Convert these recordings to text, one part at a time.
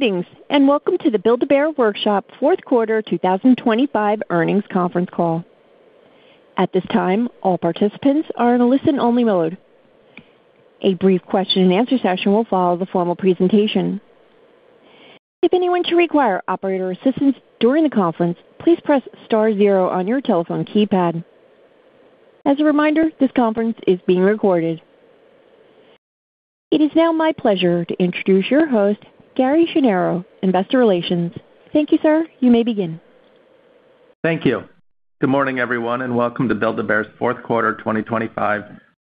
Greetings, and welcome to the Build-A-Bear Workshop Q4 2025 Earnings Conference Call. At this time, all participants are in a listen-only mode. A brief question-and-answer session will follow the formal presentation. If anyone should require operator assistance during the conference, please press star zero on your telephone keypad. As a reminder, this conference is being recorded. It is now my pleasure to introduce your host, Gary Schnierow, Investor Relations. Thank you, sir. You may begin. Thank you. Good morning, everyone, and welcome to Build-A-Bear's Q4 2025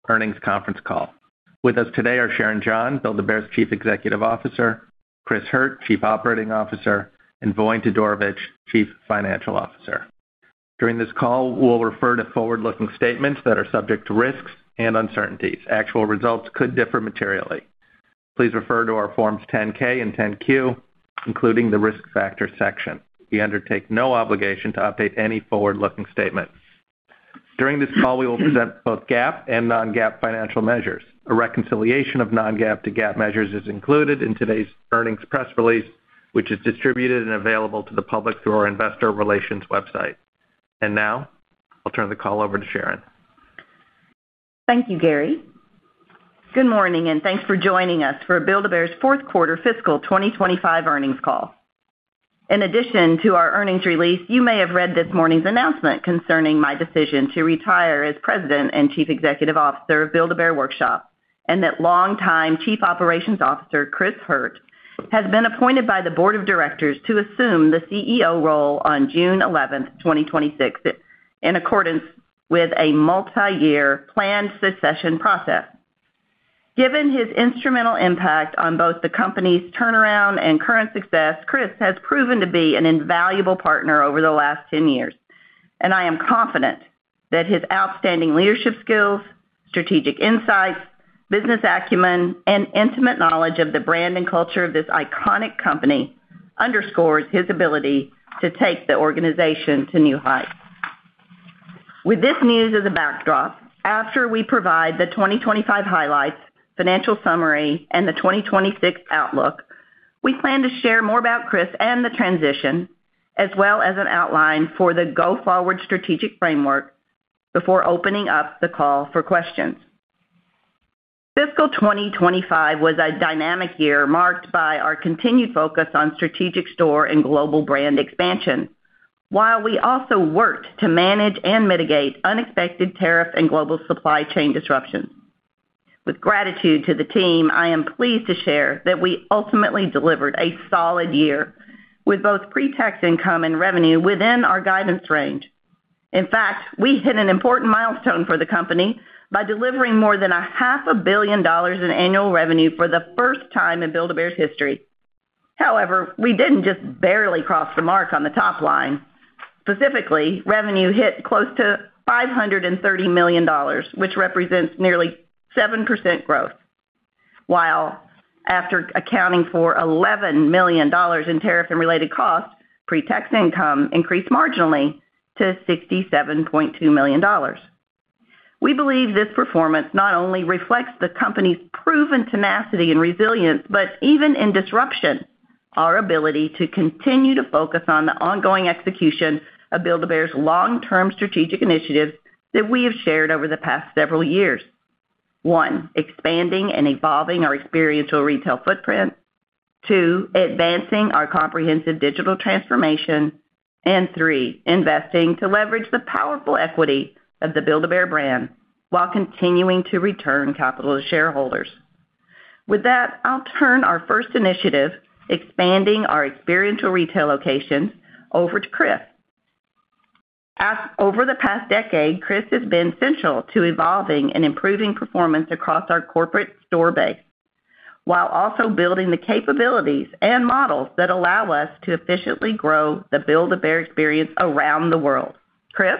earnings conference call. With us today are Sharon John, Build-A-Bear's Chief Executive Officer, Chris Hurt, Chief Operating Officer, and Voin Todorovic, Chief Financial Officer. During this call, we'll refer to forward-looking statements that are subject to risks and uncertainties. Actual results could differ materially. Please refer to our Forms 10-K and 10-Q, including the Risk Factors section. We undertake no obligation to update any forward-looking statement. During this call, we will present both GAAP and non-GAAP financial measures. A reconciliation of non-GAAP to GAAP measures is included in today's earnings press release, which is distributed and available to the public through our investor relations website. Now, I'll turn the call over to Sharon. Thank you, Gary. Good morning, and thanks for joining us for Build-A-Bear's Q4 fiscal 2025 earnings call. In addition to our earnings release, you may have read this morning's announcement concerning my decision to retire as President and Chief Executive Officer of Build-A-Bear Workshop, and that longtime Chief Operations Officer, Chris Hurt, has been appointed by the Board of Directors to assume the CEO role on June 11th 2026, in accordance with a multi-year planned succession process. Given his instrumental impact on both the company's turnaround and current success, Chris has proven to be an invaluable partner over the last 10 years. I am confident that his outstanding leadership skills, strategic insights, business acumen, and intimate knowledge of the brand and culture of this iconic company underscores his ability to take the organization to new heights. With this news as a backdrop, after we provide the 2025 highlights, financial summary, and the 2026 outlook, we plan to share more about Chris and the transition, as well as an outline for the go-forward strategic framework before opening up the call for questions. Fiscal 2025 was a dynamic year marked by our continued focus on strategic store and global brand expansion, while we also worked to manage and mitigate unexpected tariff and global supply chain disruptions. With gratitude to the team, I am pleased to share that we ultimately delivered a solid year with both pretax income and revenue within our guidance range. In fact, we hit an important milestone for the company by delivering more than a $500,000,000 in annual revenue for the first time in Build-A-Bear's history. However, we didn't just barely cross the mark on the top line. Specifically, revenue hit close to $530 million, which represents nearly 7% growth. While after accounting for $11 million in tariff and related costs, pretax income increased marginally to $67.2 million. We believe this performance not only reflects the company's proven tenacity and resilience, but even in disruption, our ability to continue to focus on the ongoing execution of Build-A-Bear's long-term strategic initiatives that we have shared over the past several years. One, expanding and evolving our experiential retail footprint. Two, advancing our comprehensive digital transformation. And three, investing to leverage the powerful equity of the Build-A-Bear brand while continuing to return capital to shareholders. With that, I'll turn our first initiative, expanding our experiential retail locations, over to Chris. Over the past decade, Chris has been central to evolving and improving performance across our corporate store base while also building the capabilities and models that allow us to efficiently grow the Build-A-Bear experience around the world. Chris?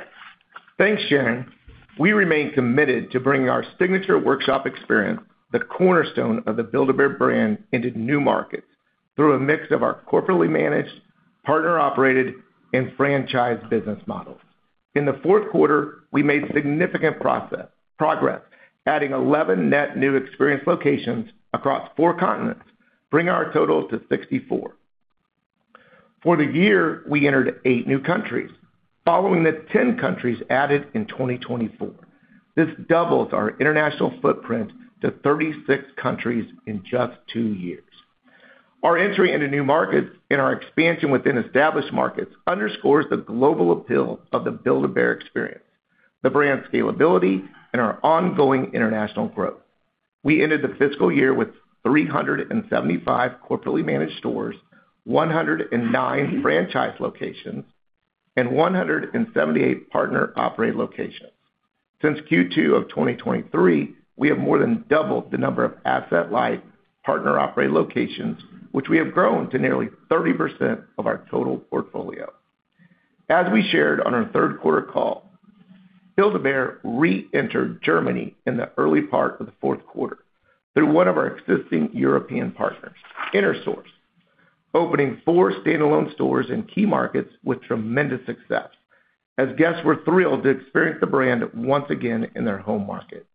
Thanks, Sharon. We remain committed to bringing our signature workshop experience, the cornerstone of the Build-A-Bear brand, into new markets through a mix of our corporately managed, partner-operated, and franchise business models. In the Q4, we made significant progress, adding 11 net new experience locations across four continents, bringing our total to 64. For the year, we entered eight new countries, following the 10 countries added in 2024. This doubles our international footprint to 36 countries in just two years. Our entry into new markets and our expansion within established markets underscores the global appeal of the Build-A-Bear experience, the brand's scalability, and our ongoing international growth. We ended the fiscal year with 375 corporately managed stores, 109 franchise locations, and 178 partner-operated locations. Since Q2 of 2023, we have more than doubled the number of asset-light partner-operated locations, which we have grown to nearly 30% of our total portfolio. As we shared on our Q3 call, Build-A-Bear reentered Germany in the early part of the Q4 through one of our existing European partners, InnerSource, opening four standalone stores in key markets with tremendous success, as guests were thrilled to experience the brand once again in their home market.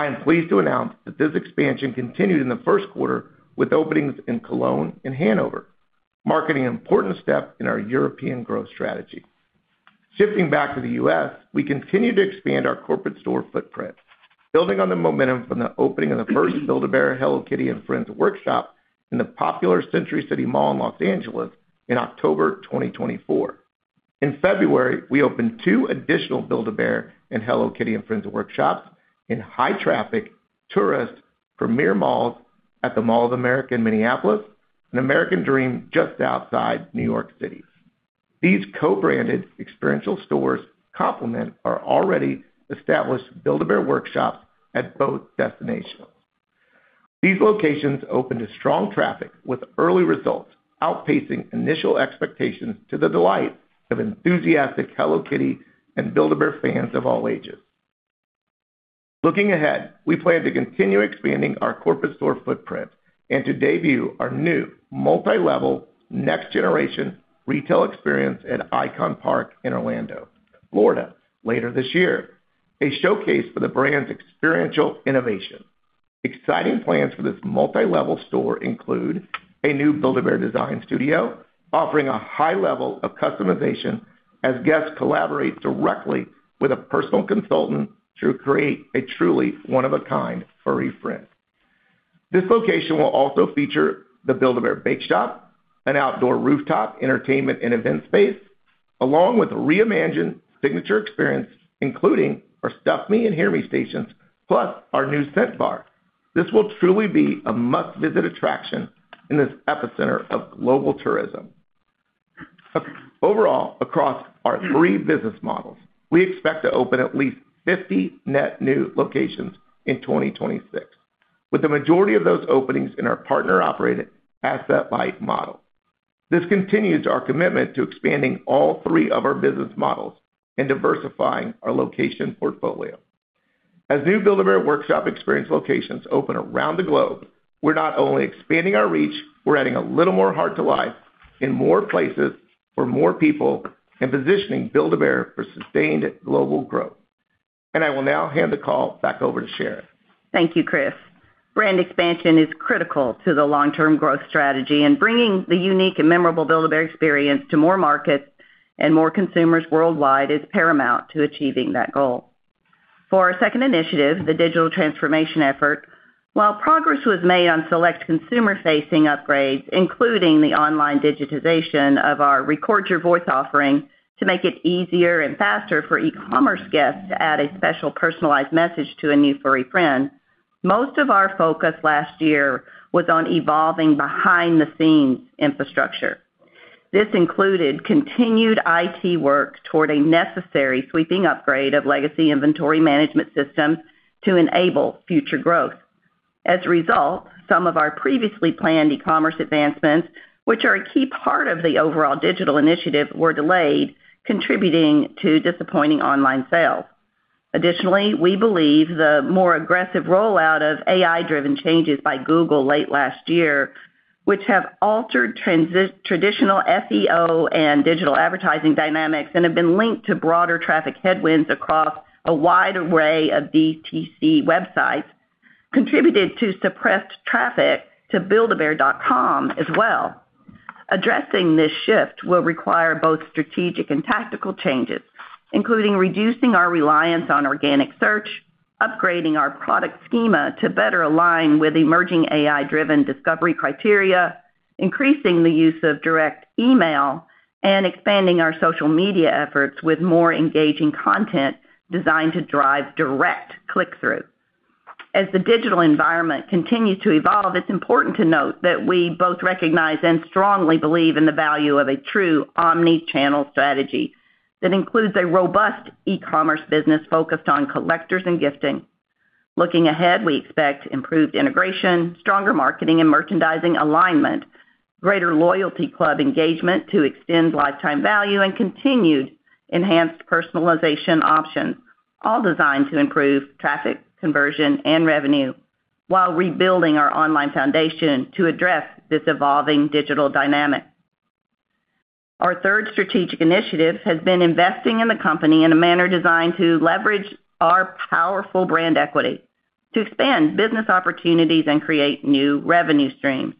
I am pleased to announce that this expansion continued in the Q1 with openings in Cologne and Hanover, marking an important step in our European growth strategy. Shifting back to the U.S., we continue to expand our corporate store footprint, building on the momentum from the opening of the first Build-A-Bear Hello Kitty and Friends Workshop in the popular Century City Mall in Los Angeles in October 2024. In February, we opened two additional Build-A-Bear and Hello Kitty and Friends workshops in high traffic tourist premier malls at the Mall of America in Minneapolis and American Dream just outside New York City. These co-branded experiential stores complement our already established Build-A-Bear workshops at both destinations. These locations opened to strong traffic with early results, outpacing initial expectations to the delight of enthusiastic Hello Kitty and Build-A-Bear fans of all ages. Looking ahead, we plan to continue expanding our corporate store footprint and to debut our new multi-level next generation retail experience ICON Park in Orlando, Florida later this year, a showcase for the brand's experiential innovation. Exciting plans for this multi-level store include a new Build-A-Bear design studio offering a high level of customization as guests collaborate directly with a personal consultant to create a truly one of a kind furry friend. This location will also feature the Build-A-Bear Bakeshop, an outdoor rooftop entertainment and event space, along with reimagined signature experience, including our stuff me and hear me stations, plus our new scent bar. This will truly be a must-visit attraction in this epicenter of global tourism. Overall, across our three business models, we expect to open at least 50 net new locations in 2026, with the majority of those openings in our partner-operated asset-light model. This continues our commitment to expanding all three of our business models and diversifying our location portfolio. As new Build-A-Bear Workshop experience locations open around the globe, we're not only expanding our reach, we're adding a little more heart to life in more places for more people and positioning Build-A-Bear for sustained global growth. I will now hand the call back over to Sharon. Thank you, Chris. Brand expansion is critical to the long-term growth strategy, and bringing the unique and memorable Build-A-Bear experience to more markets and more consumers worldwide is paramount to achieving that goal. For our second initiative, the digital transformation effort, while progress was made on select consumer-facing upgrades, including the online digitization of our record your voice offering to make it easier and faster for e-commerce guests to add a special personalized message to a new furry friend, most of our focus last year was on evolving behind-the-scenes infrastructure. This included continued IT work toward a necessary sweeping upgrade of legacy inventory management systems to enable future growth. As a result, some of our previously planned e-commerce advancements, which are a key part of the overall digital initiative, were delayed, contributing to disappointing online sales. Additionally, we believe the more aggressive rollout of AI-driven changes by Google late last year, which have altered traditional SEO and digital advertising dynamics and have been linked to broader traffic headwinds across a wide array of DTC websites, contributed to suppressed traffic to buildabear.com as well. Addressing this shift will require both strategic and tactical changes, including reducing our reliance on organic search, upgrading our product schema to better align with emerging AI-driven discovery criteria, increasing the use of direct email, and expanding our social media efforts with more engaging content designed to drive direct click-through. As the digital environment continues to evolve, it's important to note that we both recognize and strongly believe in the value of a true omnichannel strategy that includes a robust e-commerce business focused on collectors and gifting. Looking ahead, we expect improved integration, stronger marketing and merchandising alignment, greater loyalty club engagement to extend lifetime value, and continued enhanced personalization options, all designed to improve traffic, conversion, and revenue while rebuilding our online foundation to address this evolving digital dynamic. Our third strategic initiative has been investing in the company in a manner designed to leverage our powerful brand equity to expand business opportunities and create new revenue streams.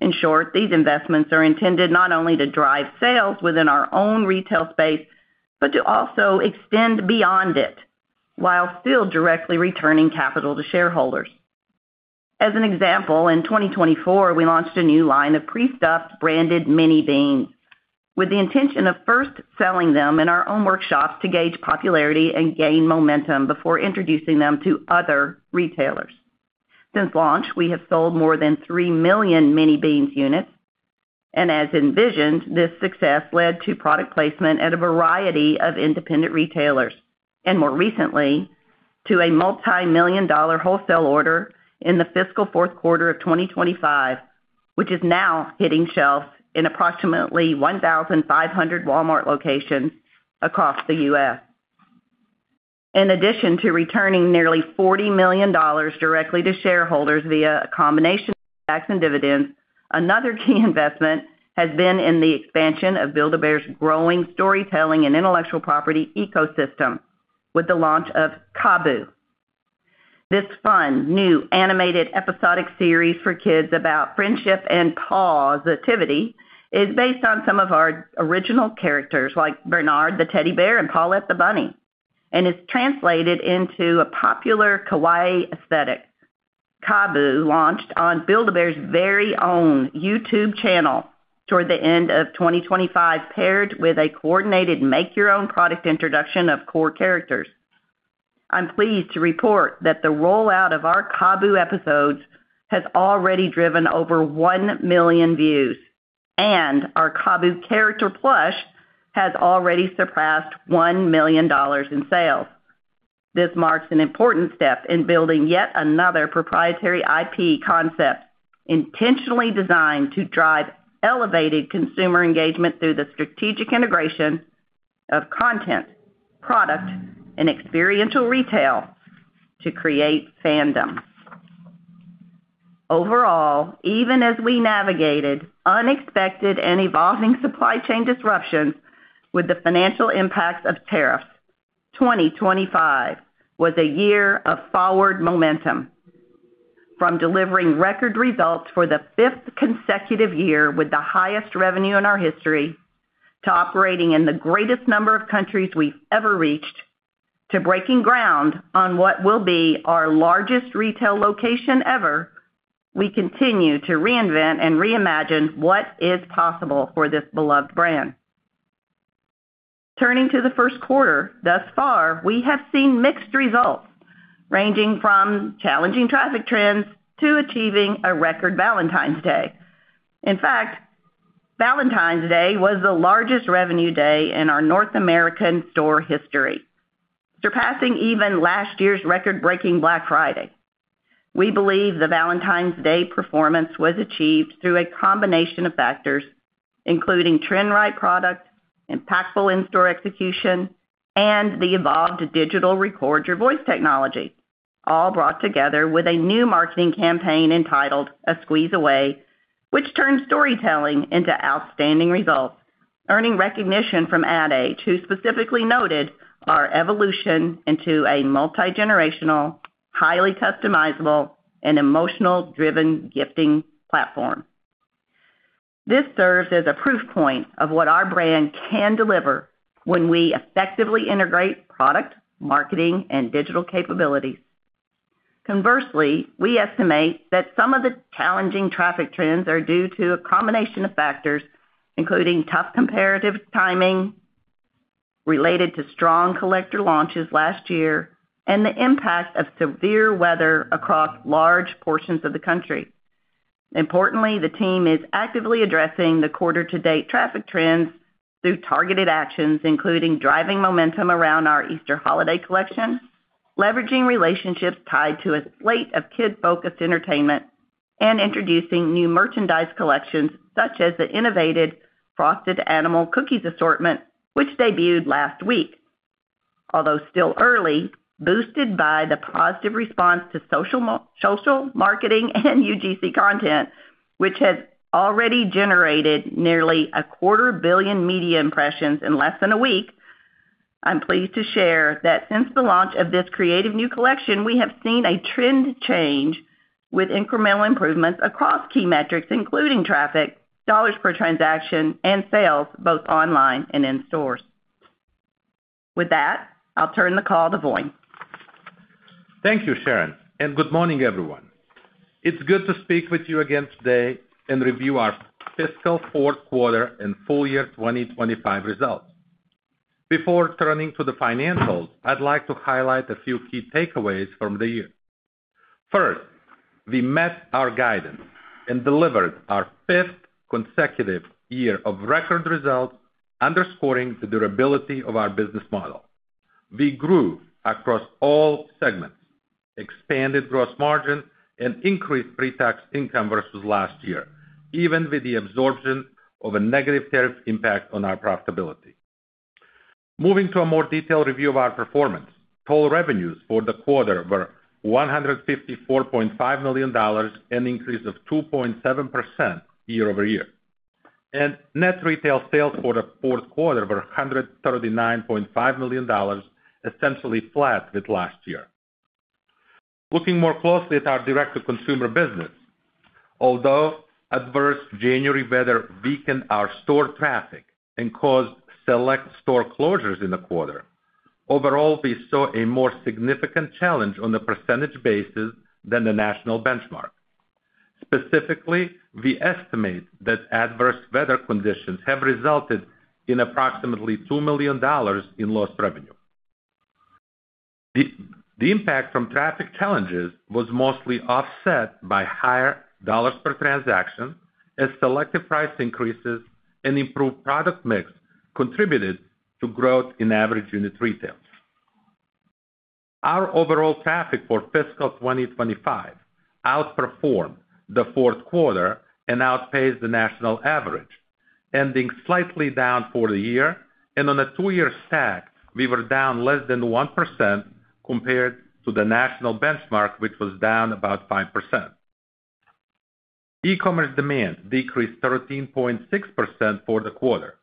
In short, these investments are intended not only to drive sales within our own retail space, but to also extend beyond it while still directly returning capital to shareholders. As an example, in 2024, we launched a new line of pre-stuffed branded Mini Beans with the intention of first selling them in our own workshops to gauge popularity and gain momentum before introducing them to other retailers. Since launch, we have sold more than 3,000,000 Mini Beans units, and as envisioned, this success led to product placement at a variety of independent retailers, and more recently, to a multi-million dollar wholesale order in the fiscal Q4 of 2025, which is now hitting shelves in approximately 1,500 Walmart locations across the U.S. In addition to returning nearly $40 million directly to shareholders via a combination of stocks and dividends. Another key investment has been in the expansion of Build-A-Bear's growing storytelling and intellectual property ecosystem with the launch of Kabu. This fun, new animated episodic series for kids about friendship and positivity is based on some of our original characters, like Bearnard the teddy bear and Pawlette the bunny, and is translated into a popular kawaii aesthetic. Kabu launched on Build-A-Bear's very own YouTube channel toward the end of 2025, paired with a coordinated make-your-own product introduction of core characters. I'm pleased to report that the rollout of our Kabu episodes has already driven over 1,000,000 views, and our Kabu character plush has already surpassed $1 million in sales. This marks an important step in building yet another proprietary IP concept intentionally designed to drive elevated consumer engagement through the strategic integration of content, product, and experiential retail to create fandom. Overall, even as we navigated unexpected and evolving supply chain disruptions with the financial impacts of tariffs, 2025 was a year of forward momentum. From delivering record results for the fifth consecutive year with the highest revenue in our history, to operating in the greatest number of countries we've ever reached, to breaking ground on what will be our largest retail location ever, we continue to reinvent and reimagine what is possible for this beloved brand. Turning to the Q1, thus far, we have seen mixed results, ranging from challenging traffic trends to achieving a record Valentine's Day. In fact, Valentine's Day was the largest revenue day in our North American store history, surpassing even last year's record-breaking Black Friday. We believe the Valentine's Day performance was achieved through a combination of factors, including trend-right products, impactful in-store execution, and the evolved digital record your voice technology, all brought together with a new marketing campaign entitled A Squeeze Away, which turned storytelling into outstanding results, earning recognition from Ad Age, who specifically noted our evolution into a multi-generational, highly customizable, and emotional-driven gifting platform. This serves as a proof point of what our brand can deliver when we effectively integrate product, marketing, and digital capabilities. Conversely, we estimate that some of the challenging traffic trends are due to a combination of factors, including tough comparative timing related to strong collector launches last year and the impact of severe weather across large portions of the country. Importantly, the team is actively addressing the quarter-to-date traffic trends through targeted actions, including driving momentum around our Easter holiday collection, leveraging relationships tied to a slate of kid-focused entertainment, and introducing new merchandise collections, such as the innovative Frosted Animal Cookies assortment, which debuted last week. Although still early, boosted by the positive response to social marketing and UGC content, which has already generated nearly 250,000,000 media impressions in less than a week. I'm pleased to share that since the launch of this creative new collection, we have seen a trend change with incremental improvements across key metrics, including traffic, dollars per transaction, and sales, both online and in stores. With that, I'll turn the call to Voin. Thank you, Sharon, and good morning, everyone. It's good to speak with you again today and review our fiscal Q4 and full year 2025 results. Before turning to the financials, I'd like to highlight a few key takeaways from the year. First, we met our guidance and delivered our fifth consecutive year of record results, underscoring the durability of our business model. We grew across all segments, expanded gross margin, and increased pre-tax income versus last year, even with the absorption of a negative tariff impact on our profitability. Moving to a more detailed review of our performance, total revenues for the quarter were $154.5 million, an increase of 2.7% year-over-year. Net retail sales for the Q4 were $139.5 million, essentially flat with last year. Looking more closely at our direct-to-consumer business, although adverse January weather weakened our store traffic and caused select store closures in the quarter, overall, we saw a more significant challenge on a percentage basis than the national benchmark. Specifically, we estimate that adverse weather conditions have resulted in approximately $2 million in lost revenue. The impact from traffic challenges was mostly offset by higher dollars per transaction as selective price increases and improved product mix contributed to growth in average unit retail. Our overall traffic for fiscal 2025 outperformed the Q4 and outpaced the national average. Ending slightly down for the year and on a two-year stack, we were down less than 1% compared to the national benchmark, which was down about 5%. E-commerce demand decreased 13.6% for the quarter,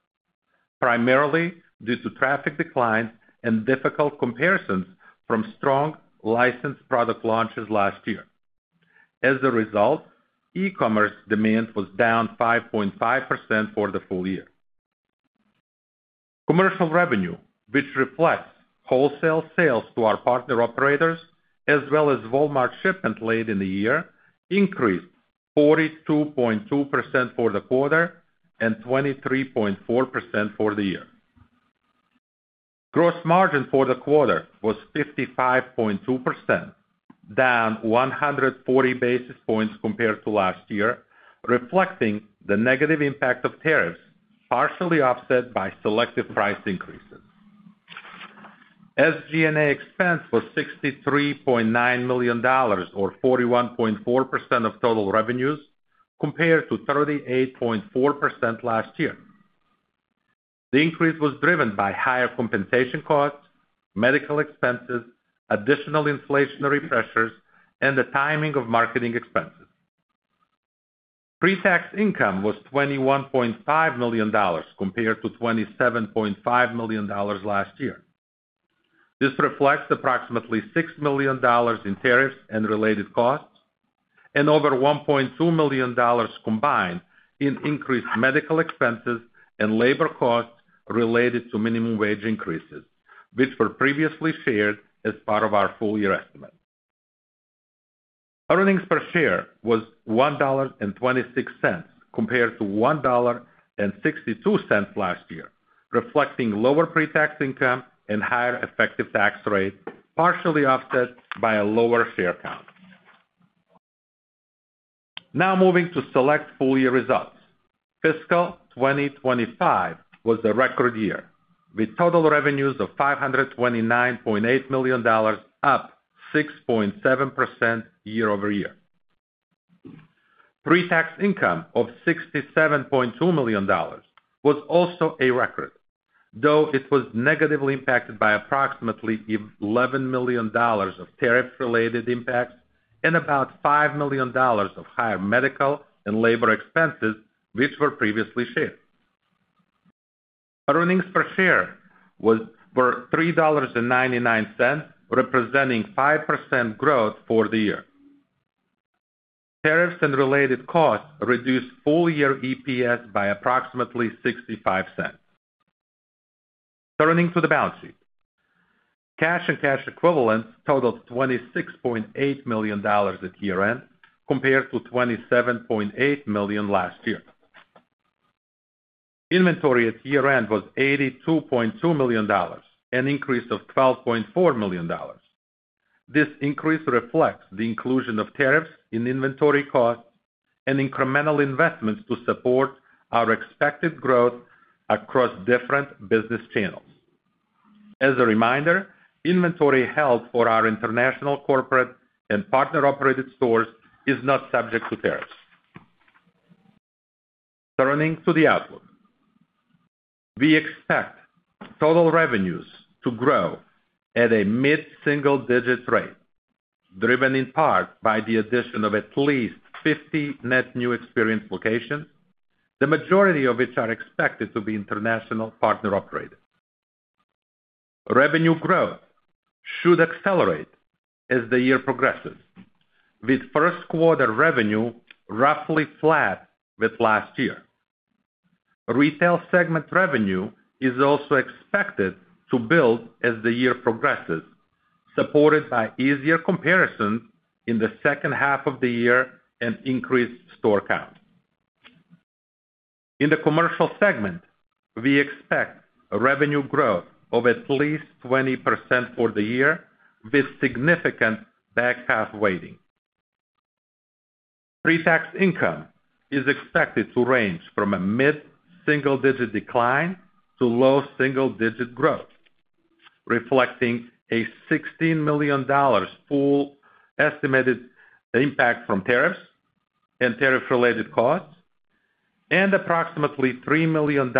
primarily due to traffic declines and difficult comparisons from strong licensed product launches last year. As a result, e-commerce demand was down 5.5% for the full year. Commercial revenue, which reflects wholesale sales to our partner operators as well as Walmart shipment late in the year, increased 42.2% for the quarter and 23.4% for the year. Gross margin for the quarter was 55.2%, down 140 basis points compared to last year, reflecting the negative impact of tariffs, partially offset by selective price increases. SG&A expense was $63.9 million, or 41.4% of total revenues, compared to 38.4% last year. The increase was driven by higher compensation costs, medical expenses, additional inflationary pressures, and the timing of marketing expenses. Pre-tax income was $21.5 million compared to $27.5 million last year. This reflects approximately $6 million in tariffs and related costs and over $1.2 million combined in increased medical expenses and labor costs related to minimum wage increases, which were previously shared as part of our full year estimate. Earnings per share was $1.26 compared to $1.62 last year, reflecting lower pre-tax income and higher effective tax rate, partially offset by a lower share count. Now moving to select full-year results. Fiscal 2025 was the record year, with total revenues of $529.8 million, up 6.7% year-over-year. Pre-tax income of $67.2 million was also a record, though it was negatively impacted by approximately $11 million of tariff-related impacts and about $5 million of higher medical and labor expenses, which were previously shared. Earnings per share were $3.99, representing 5% growth for the year. Tariffs and related costs reduced full-year EPS by approximately $0.65. Turning to the balance sheet. Cash and cash equivalents totaled $26.8 million at year-end compared to $27.8 million last year. Inventory at year-end was $82.2 million, an increase of $12.4 million. This increase reflects the inclusion of tariffs in inventory costs and incremental investments to support our expected growth across different business channels. As a reminder, inventory held for our international corporate and partner-operated stores is not subject to tariffs. Turning to the outlook. We expect total revenues to grow at a mid-single digit rate, driven in part by the addition of at least 50 net new experience locations, the majority of which are expected to be international partner-operated. Revenue growth should accelerate as the year progresses, with first quarter revenue roughly flat with last year. Retail segment revenue is also expected to build as the year progresses, supported by easier comparisons in the second half of the year and increased store count. In the commercial segment, we expect revenue growth of at least 20% for the year, with significant back half weighting. Pre-tax income is expected to range from a mid-single digit decline to low single digit growth, reflecting a $16 million full estimated impact from tariffs and tariff-related costs and approximately $3 million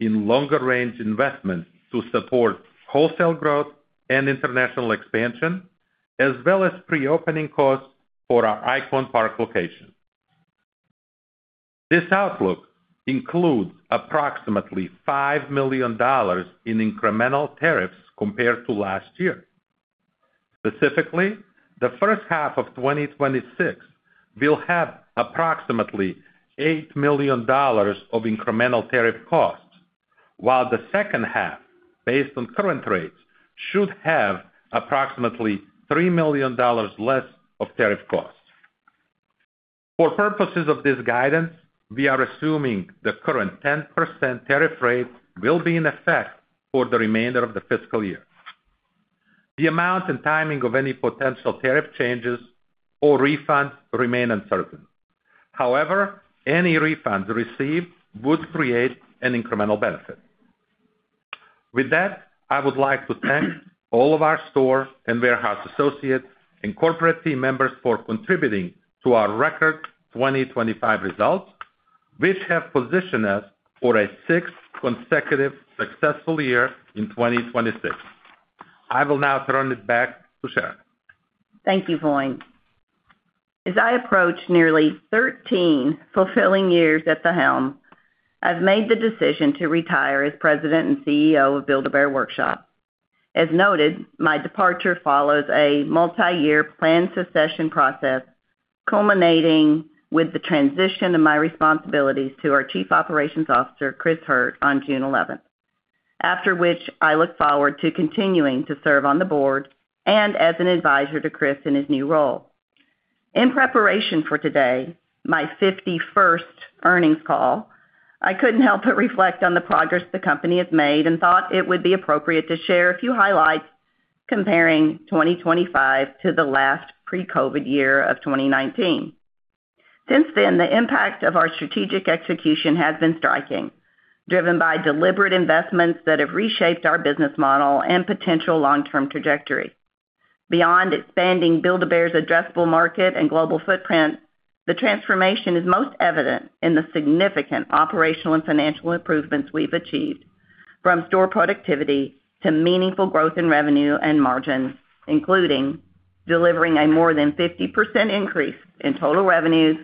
in longer-range investments to support wholesale growth and international expansion, as well as pre-opening costs for ICON Park location. This outlook includes approximately $5 million in incremental tariffs compared to last year. Specifically, the first half of 2026 will have approximately $8 million of incremental tariff costs, while the second half, based on current rates, should have approximately $3 million less of tariff costs. For purposes of this guidance, we are assuming the current 10% tariff rate will be in effect for the remainder of the fiscal year. The amount and timing of any potential tariff changes or refunds remain uncertain. However, any refunds received would create an incremental benefit. With that, I would like to thank all of our store and warehouse associates and corporate team members for contributing to our record 2025 results, which have positioned us for a sixth consecutive successful year in 2026. I will now turn it back to Sharon. Thank you, Voin. As I approach nearly 13 fulfilling years at the helm, I've made the decision to retire as President and CEO of Build-A-Bear Workshop. As noted, my departure follows a multi-year planned succession process, culminating with the transition of my responsibilities to our Chief Operations Officer, Chris Hurt, on June 11. After which, I look forward to continuing to serve on the board and as an advisor to Chris in his new role. In preparation for today, my 51st earnings call, I couldn't help but reflect on the progress the company has made and thought it would be appropriate to share a few highlights comparing 2025 to the last pre-COVID year of 2019. Since then, the impact of our strategic execution has been striking, driven by deliberate investments that have reshaped our business model and potential long-term trajectory. Beyond expanding Build-A-Bear's addressable market and global footprint, the transformation is most evident in the significant operational and financial improvements we've achieved, from store productivity to meaningful growth in revenue and margin, including delivering a more than 50% increase in total revenues,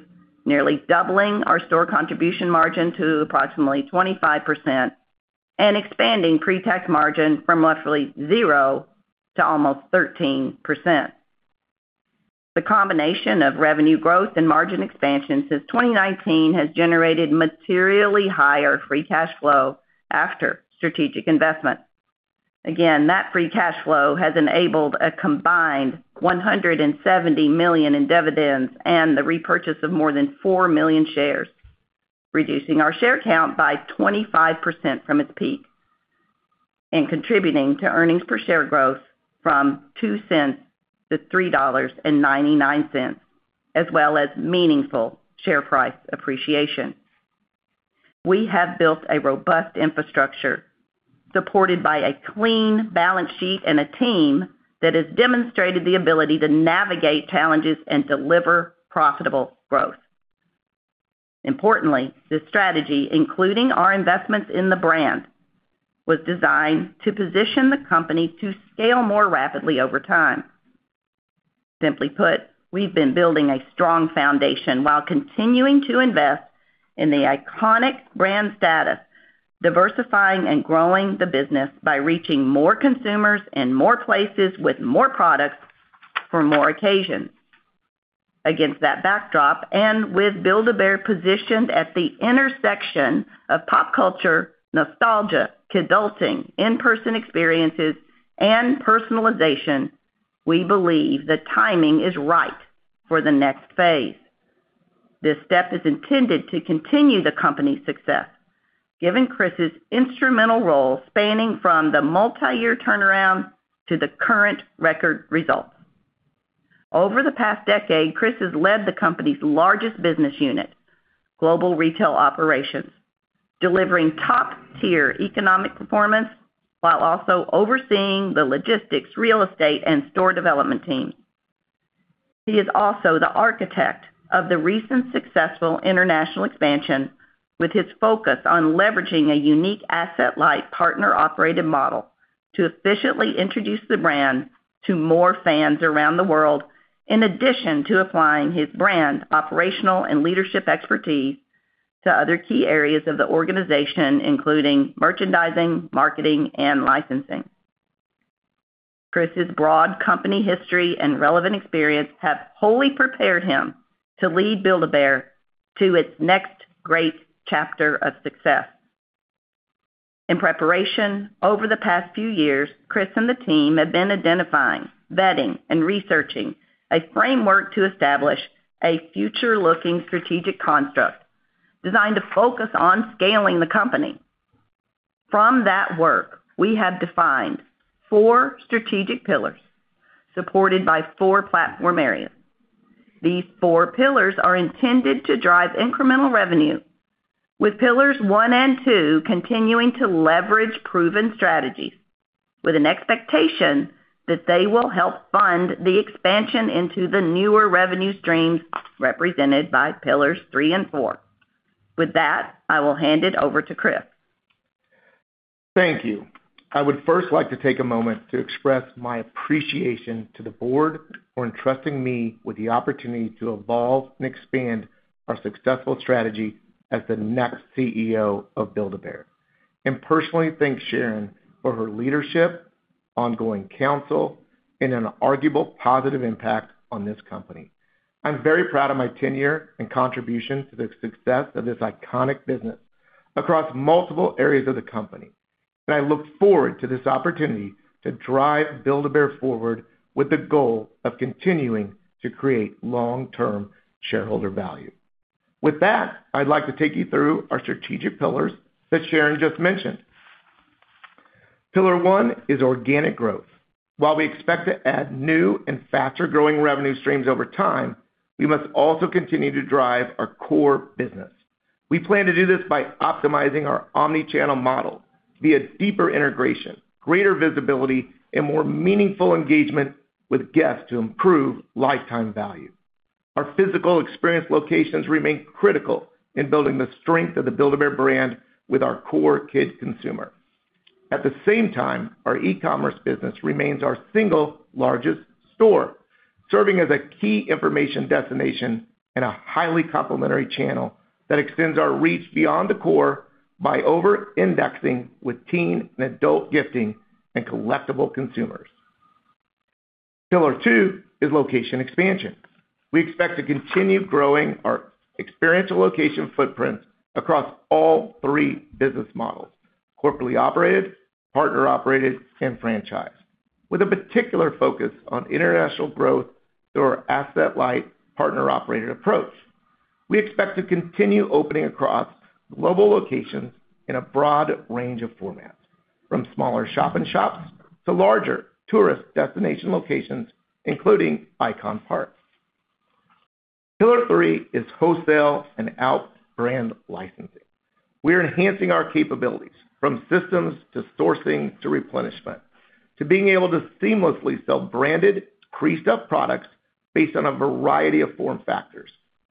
nearly doubling our store contribution margin to approximately 25%, and expanding pre-tax margin from roughly zero to almost 13%. The combination of revenue growth and margin expansion since 2019 has generated materially higher free cash flow after strategic investment. Again, that free cash flow has enabled a combined $170 million in dividends and the repurchase of more than 4,000,000 shares, reducing our share count by 25% from its peak and contributing to earnings per share growth from $0.02 to $3.99, as well as meaningful share price appreciation. We have built a robust infrastructure supported by a clean balance sheet and a team that has demonstrated the ability to navigate challenges and deliver profitable growth. Importantly, this strategy, including our investments in the brand, was designed to position the company to scale more rapidly over time. Simply put, we've been building a strong foundation while continuing to invest in the iconic brand status, diversifying and growing the business by reaching more consumers in more places with more products for more occasions. Against that backdrop, and with Build-A-Bear positioned at the intersection of pop culture, nostalgia, kidulting, in-person experiences, and personalization, we believe the timing is right for the next phase. This step is intended to continue the company's success, given Chris' instrumental role spanning from the multi-year turnaround to the current record results. Over the past decade, Chris has led the company's largest business unit, Global Retail Operations, delivering top-tier economic performance while also overseeing the logistics, real estate, and store development teams. He is also the architect of the recent successful international expansion, with his focus on leveraging a unique asset-light partner-operated model to efficiently introduce the brand to more fans around the world, in addition to applying his brand, operational, and leadership expertise to other key areas of the organization, including merchandising, marketing, and licensing. Chris's broad company history and relevant experience have wholly prepared him to lead Build-A-Bear to its next great chapter of success. In preparation, over the past few years, Chris and the team have been identifying, vetting, and researching a framework to establish a future-looking strategic construct designed to focus on scaling the company. From that work, we have defined four strategic pillars supported by four platform areas. These four pillars are intended to drive incremental revenue, with pillars one and two continuing to leverage proven strategies with an expectation that they will help fund the expansion into the newer revenue streams represented by pillars three and four. With that, I will hand it over to Chris. Thank you. I would first like to take a moment to express my appreciation to the board for entrusting me with the opportunity to evolve and expand our successful strategy as the next CEO of Build-A-Bear, and personally thank Sharon for her leadership, ongoing counsel, and inarguable positive impact on this company. I'm very proud of my tenure and contribution to the success of this iconic business across multiple areas of the company, and I look forward to this opportunity to drive Build-A-Bear forward with the goal of continuing to create long-term shareholder value. With that, I'd like to take you through our strategic pillars that Sharon just mentioned. Pillar one is organic growth. While we expect to add new and faster-growing revenue streams over time, we must also continue to drive our core business. We plan to do this by optimizing our omnichannel model via deeper integration, greater visibility, and more meaningful engagement with guests to improve lifetime value. Our physical experience locations remain critical in building the strength of the Build-A-Bear brand with our core kid consumer. At the same time, our e-commerce business remains our single largest store, serving as a key information destination and a highly complementary channel that extends our reach beyond the core by over-indexing with teen and adult gifting and collectible consumers. Pillar two is location expansion. We expect to continue growing our experiential location footprint across all three business models, corporately operated, partner-operated, and franchise, with a particular focus on international growth through our asset-light partner-operated approach. We expect to continue opening across global locations in a broad range of formats, from smaller shop-in-shops to larger tourist destination locations, including ICON Parks. Pillar three is wholesale and outbound licensing. We are enhancing our capabilities from systems to sourcing to replenishment, to being able to seamlessly sell branded pre-stuffed products based on a variety of form factors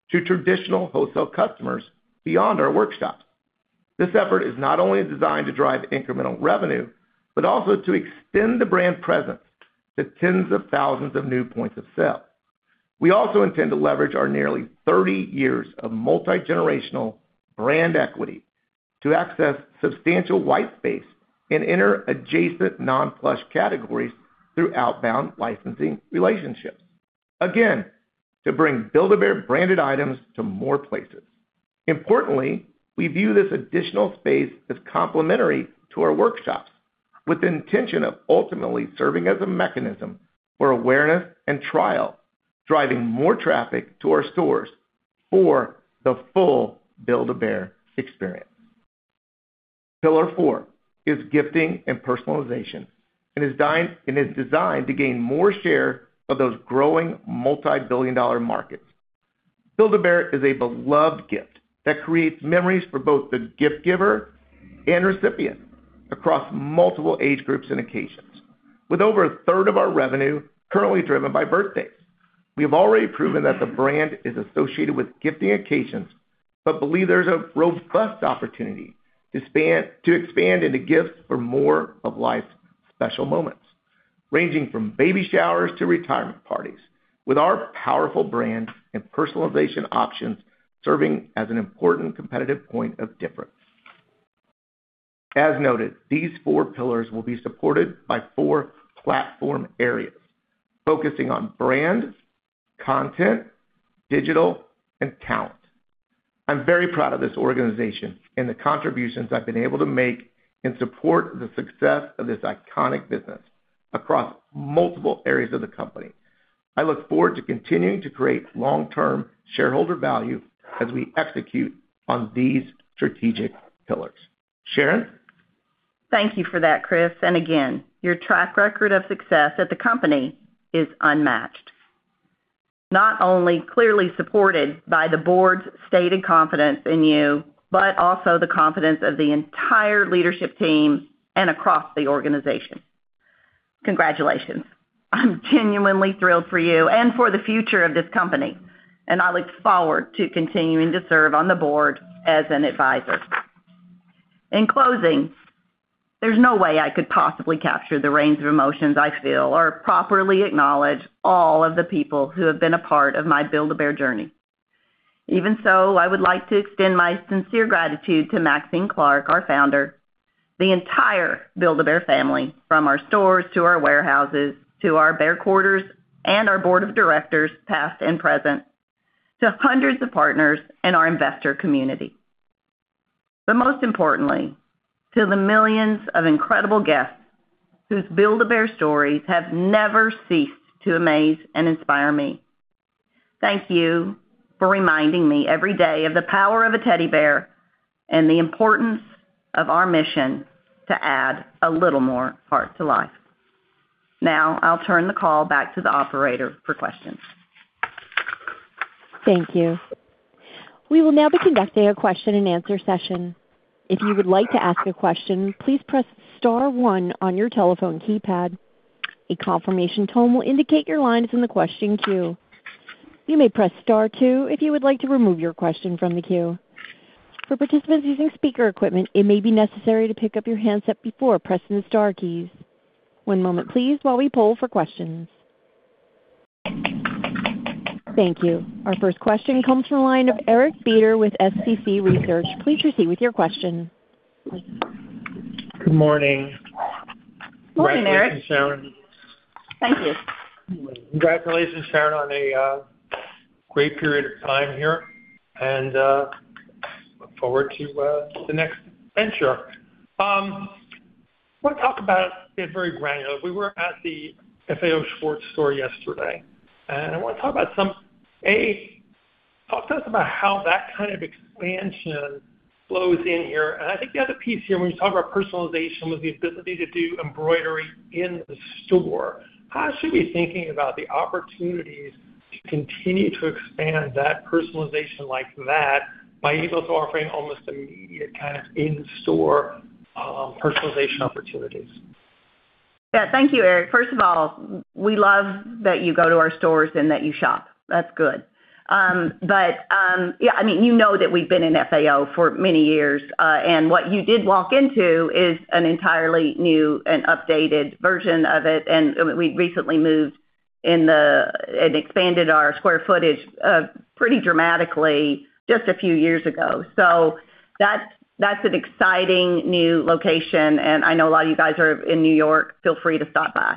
to traditional wholesale customers beyond our workshops. This effort is not only designed to drive incremental revenue, but also to extend the brand presence to tens of thousands of new points of sale. We also intend to leverage our nearly 30 years of multi-generational brand equity to access substantial white space and enter adjacent non-plush categories through outbound licensing relationships, again, to bring Build-A-Bear branded items to more places. Importantly, we view this additional space as complementary to our workshops, with the intention of ultimately serving as a mechanism for awareness and trial, driving more traffic to our stores for the full Build-A-Bear experience. Pillar four is gifting and personalization and is designed to gain more share of those growing multi-billion-dollar markets. Build-A-Bear is a beloved gift that creates memories for both the gift giver and recipient across multiple age groups and occasions. With over 1/3 of our revenue currently driven by birthdays, we have already proven that the brand is associated with gifting occasions, but believe there's a robust opportunity to expand into gifts for more of life's special moments, ranging from baby showers to retirement parties, with our powerful brand and personalization options serving as an important competitive point of difference. As noted, these four pillars will be supported by four platform areas focusing on brand, content, digital, and talent. I'm very proud of this organization and the contributions I've been able to make and support the success of this iconic business across multiple areas of the company. I look forward to continuing to create long-term shareholder value as we execute on these strategic pillars. Sharon. Thank you for that, Chris. Again, your track record of success at the company is unmatched. Not only clearly supported by the board's stated confidence in you, but also the confidence of the entire leadership team and across the organization. Congratulations. I'm genuinely thrilled for you and for the future of this company, and I look forward to continuing to serve on the board as an advisor. In closing, there's no way I could possibly capture the range of emotions I feel or properly acknowledge all of the people who have been a part of my Build-A-Bear journey. Even so, I would like to extend my sincere gratitude to Maxine Clark, our founder, the entire Build-A-Bear family, from our stores to our warehouses to our bear quarters and our board of directors, past and present, to hundreds of partners and our investor community. Most importantly, to the millions of incredible guests whose Build-A-Bear stories have never ceased to amaze and inspire me. Thank you for reminding me every day of the power of a teddy bear and the importance of our mission to add a little more heart to life. Now, I'll turn the call back to the operator for questions. Thank you. We will now be conducting a question-and-answer session. If you would like to ask a question, please press star one on your telephone keypad. A confirmation tone will indicate your line is in the question queue. You may press star two if you would like to remove your question from the queue. For participants using speaker equipment, it may be necessary to pick up your handset before pressing the star keys. One moment please while we poll for questions. Thank you. Our first question comes from the line of Eric Beder with SCC Research. Please proceed with your question. Good morning. Good morning, Eric. Congratulations, Sharon. Thank you. Congratulations, Sharon, on a great period of time here and look forward to the next venture. I want to talk about it very granular. We were at the FAO Schwarz store yesterday, and I want to talk about some. Talk to us about how that kind of expansion flows in here. I think the other piece here, when you talk about personalization with the ability to do embroidery in the store, how should we be thinking about the opportunities to continue to expand that personalization like that by even offering almost immediate kind of in-store personalization opportunities? Yeah. Thank you, Eric. First of all, we love that you go to our stores and that you shop. That's good. But yeah, I mean, you know that we've been in FAO for many years. What you did walk into is an entirely new and updated version of it. We recently expanded our square footage pretty dramatically just a few years ago. That's an exciting new location, and I know a lot of you guys are in New York. Feel free to stop by.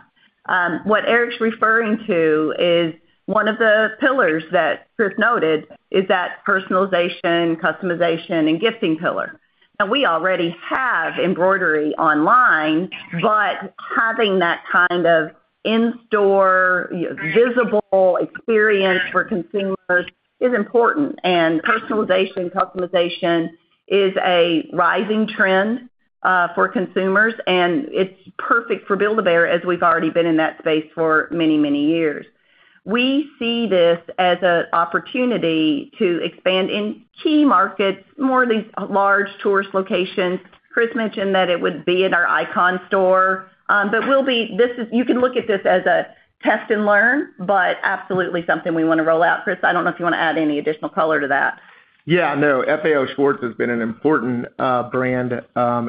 What Eric's referring to is one of the pillars that Chris noted is that personalization, customization, and gifting pillar. Now, we already have embroidery online, but having that kind of in-store, you know, visible experience for consumers is important. Personalization, customization is a rising trend for consumers, and it's perfect for Build-A-Bear, as we've already been in that space for many, many years. We see this as an opportunity to expand in key markets, more of these large tourist locations. Chris mentioned that it would be in our Icon store, but you can look at this as a test and learn, but absolutely something we wanna roll out. Chris, I don't know if you wanna add any additional color to that. Yeah, no. FAO Schwarz has been an important brand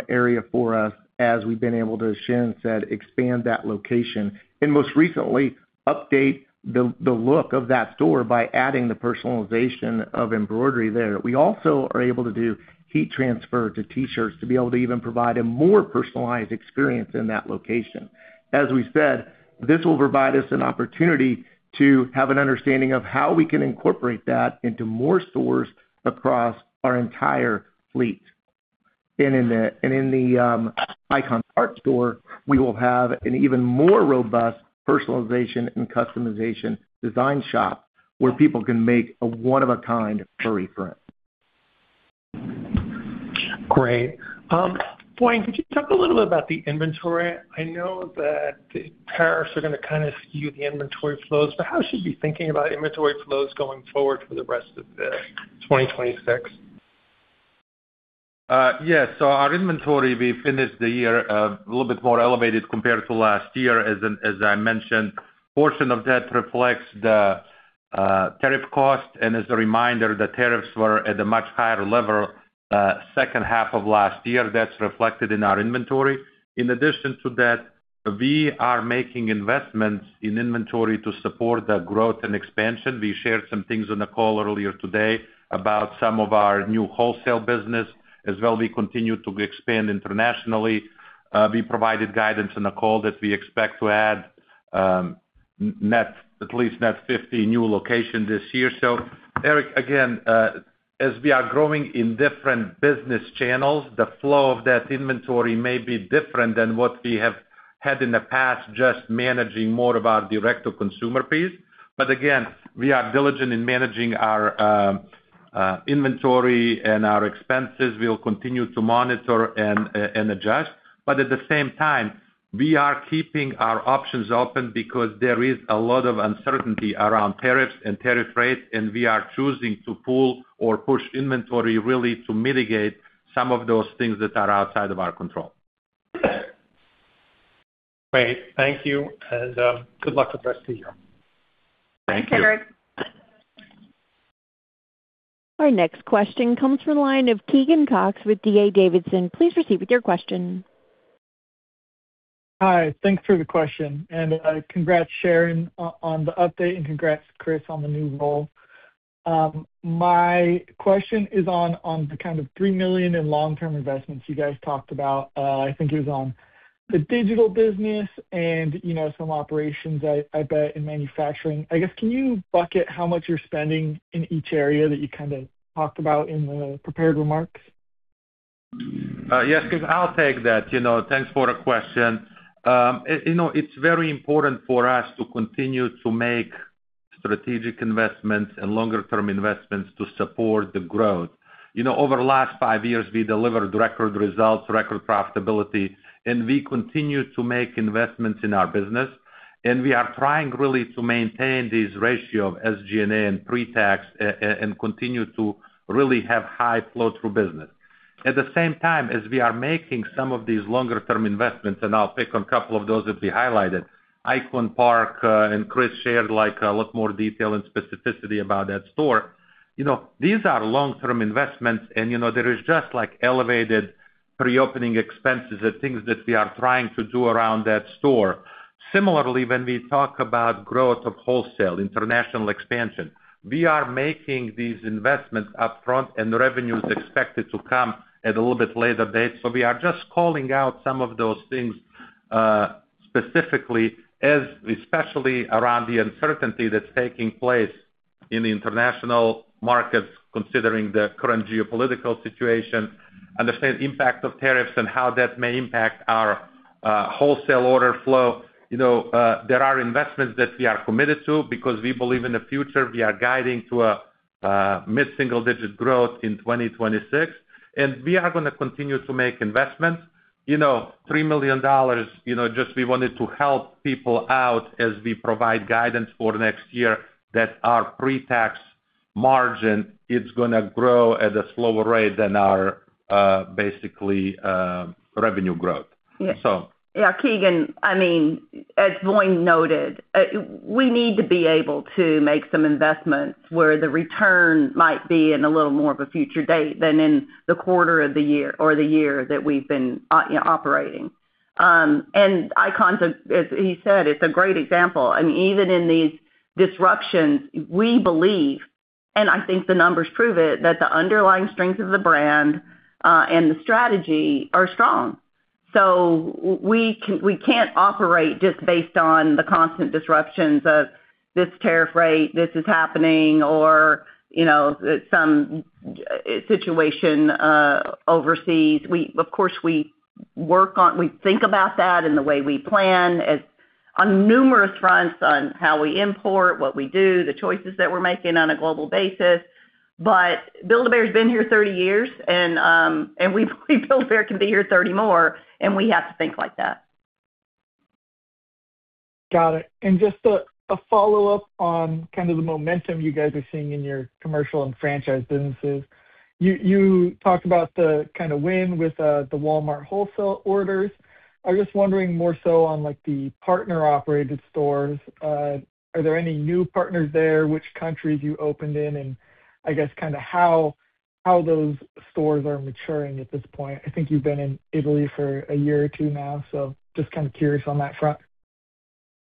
area for us as we've been able to, as Sharon said, expand that location, and most recently, update the look of that store by adding the personalization of embroidery there. We also are able to do heat transfer to T-shirts to be able to even provide a more personalized experience in that location. As we said, this will provide us an opportunity to have an understanding of how we can incorporate that into more stores across our entire fleet. In ICON Park store, we will have an even more robust personalization and customization design shop where people can make a one of a kind furry friend. Great. Voin, could you talk a little bit about the inventory? I know that the tariffs are gonna kinda skew the inventory flows, but how should you be thinking about inventory flows going forward for the rest of the 2026? Yes. Our inventory, we finished the year a little bit more elevated compared to last year, as I mentioned, portion of that reflects the tariff cost. As a reminder, the tariffs were at a much higher level second half of last year. That's reflected in our inventory. In addition to that, we are making investments in inventory to support the growth and expansion. We shared some things on the call earlier today about some of our new wholesale business. As well, we continue to expand internationally. We provided guidance on the call that we expect to add at least net 50 new location this year. Eric, again, as we are growing in different business channels, the flow of that inventory may be different than what we have had in the past, just managing more of our direct to consumer piece. Again, we are diligent in managing our inventory and our expenses. We'll continue to monitor and adjust. At the same time, we are keeping our options open because there is a lot of uncertainty around tariffs and tariff rates, and we are choosing to pull or push inventory really to mitigate some of those things that are outside of our control. Great. Thank you, and good luck with the rest of the year. Thank you. Thank you, Eric. Our next question comes from the line of Keegan Cox with D.A. Davidson. Please proceed with your question. Hi. Thanks for the question. Congrats, Sharon, on the update, and congrats, Chris, on the new role. My question is on the kind of $3 million in long-term investments you guys talked about. I think it was on the digital business and, you know, some operations I bet in manufacturing. I guess, can you bucket how much you're spending in each area that you kinda talked about in the prepared remarks? Yes, Keegan, I'll take that. You know, thanks for the question. You know, it's very important for us to continue to make strategic investments and longer term investments to support the growth. You know, over the last five years, we delivered record results, record profitability, and we continue to make investments in our business. We are trying really to maintain this ratio of SG&A and pre-tax and continue to really have high flow through business. At the same time, as we are making some of these longer term investments, and I'll pick on a couple of those that we ICON Park, and Chris shared like a lot more detail and specificity about that store. You know, these are long-term investments and, you know, there is just like elevated pre-opening expenses and things that we are trying to do around that store. Similarly, when we talk about growth of wholesale, international expansion, we are making these investments up front and the revenue is expected to come at a little bit later date. We are just calling out some of those things, specifically, especially around the uncertainty that's taking place in the international markets, considering the current geopolitical situation and the same impact of tariffs and how that may impact our wholesale order flow, you know, there are investments that we are committed to because we believe in the future. We are guiding to a mid-single-digit growth in 2026, and we are gonna continue to make investments. You know, $3 million, you know, just we wanted to help people out as we provide guidance for next year that our pre-tax margin is gonna grow at a slower rate than our, basically, revenue growth. Yeah, Keegan, I mean, as Voin noted, we need to be able to make some investments where the return might be in a little more of a future date than in the quarter of the year or the year that we've been operating. Icons, as he said, it's a great example. I mean, even in these disruptions, we believe, and I think the numbers prove it, that the underlying strengths of the brand, and the strategy are strong. We can't operate just based on the constant disruptions of this tariff rate, this is happening, or, you know, some situation overseas. Of course, we think about that in the way we plan as on numerous fronts on how we import, what we do, the choices that we're making on a global basis. Build-A-Bear's been here 30 years, and we believe Build-A-Bear can be here 30 more, and we have to think like that. Got it. Just a follow-up on kind of the momentum you guys are seeing in your commercial and franchise businesses. You talked about the kinda win with the Walmart wholesale orders. I'm just wondering more so on, like, the partner-operated stores, are there any new partners there, which countries you opened in, and I guess kinda how those stores are maturing at this point? I think you've been in Italy for a year or two now, so just kinda curious on that front.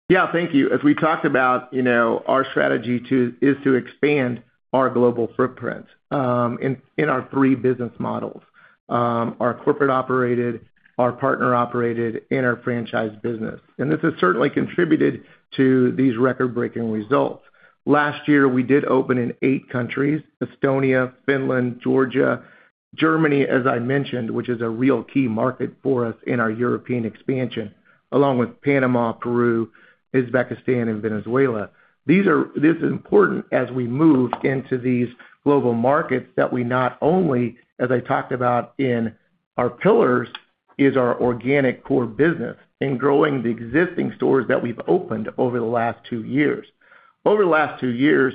Yeah. Thank you. As we talked about, you know, our strategy is to expand our global footprint in our three business models, our corporate operated, our partner operated, and our franchise business. This has certainly contributed to these record-breaking results. Last year, we did open in eight countries, Estonia, Finland, Georgia, Germany, as I mentioned, which is a real key market for us in our European expansion, along with Panama, Peru, Uzbekistan, and Venezuela. This is important as we move into these global markets that we not only, as I talked about in our pillars, is our organic core business in growing the existing stores that we've opened over the last two years. Over the last two years,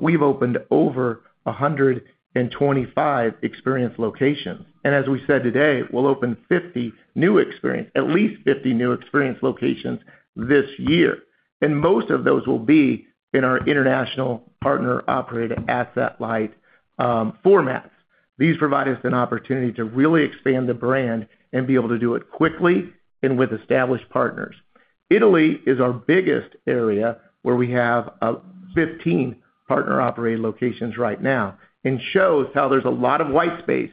we've opened over 125 experience locations. As we said today, we'll open at least 50 new experience locations this year. Most of those will be in our international partner-operated asset-light formats. These provide us an opportunity to really expand the brand and be able to do it quickly and with established partners. Italy is our biggest area where we have 15 partner-operated locations right now and shows how there's a lot of white space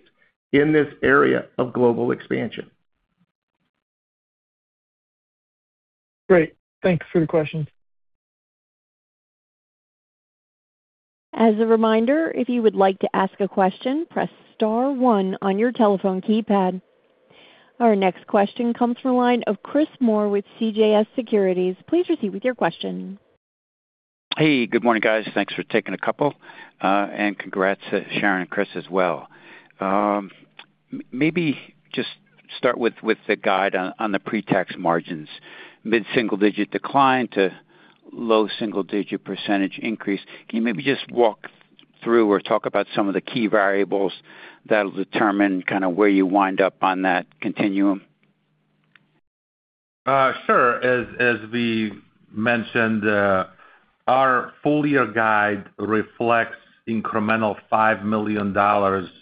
in this area of global expansion. Great. Thanks for the questions. As a reminder, if you would like to ask a question, press star one on your telephone keypad. Our next question comes from the line of Chris Moore with CJS Securities. Please proceed with your question. Hey, good morning, guys. Thanks for taking the call. And congrats to Sharon and Chris as well. Maybe just start with the guide on the pre-tax margins, mid-single-digi decline to low single-digit percentage increase. Can you maybe just walk through or talk about some of the key variables that'll determine kinda where you wind up on that continuum? Sure. As we mentioned, our full-year guide reflects incremental $5 million